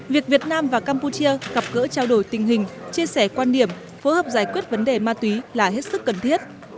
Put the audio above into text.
việc việt nam và campuchia gặp gỡ trao đổi tình hình chia sẻ quan điểm phối hợp giải quyết vấn đề ma túy là hết sức cần thiết